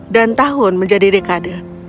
dan tahun menjadi dekade